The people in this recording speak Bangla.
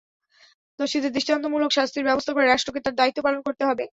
দোষীদের দৃষ্টান্তমূলক শাস্তির ব্যবস্থা করে রাষ্ট্রকে তার দায়িত্ব পালন করতে হবে।